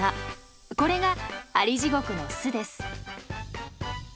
これがアリジゴクの巣です。